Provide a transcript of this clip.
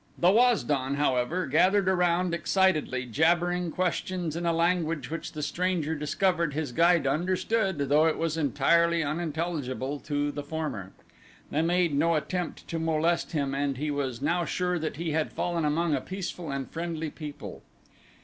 The Waz don, however, gathered around excitedly jabbering questions in a language which the stranger discovered his guide understood though it was entirely unintelligible to the former. They made no attempt to molest him and he was now sure that he had fallen among a peaceful and friendly people.